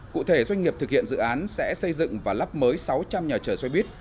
cụ thể doanh nghiệp thực hiện dự án sẽ xây dựng và lắp mới sáu trăm linh nhà chở xoay bít